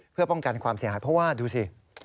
เพื่อป้องกันความเสียหายเพราะว่าดูสิ